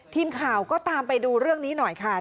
ทีมข่าวก็ตามไปดูเรื่องนี้หน่อยค่ะ